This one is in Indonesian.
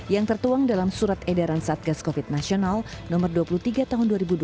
yang tertuang dalam surat edaran satgas covid nasional no dua puluh tiga tahun dua ribu dua puluh